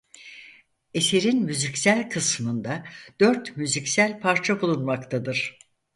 Eserin müziksel kısmında dört müziksel parça bulunmaktadır: